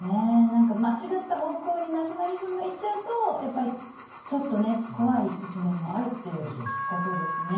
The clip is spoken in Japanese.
何か間違った方向にナショナリズムがいっちゃうとやっぱりちょっとね怖い一面もあるっていうことですね。